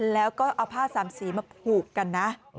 แล้วก็เอาผ้าสามสีมาผูกกันนะ